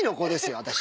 私。